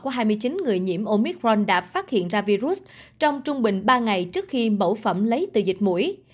có hai mươi chín người nhiễm omicron đã phát hiện ra virus trong trung bình ba ngày trước khi mẫu phẩm lấy từ dịch mũi